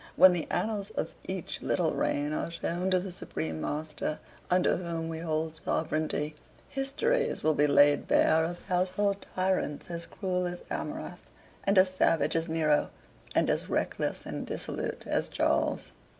When the annals of each little reign are shown to the Supreme Master, under whom we hold sovereignty, histories will be laid bare of household tyrants as cruel as Amurath, and as savage as Nero, and as reckless and dissolute as Charles.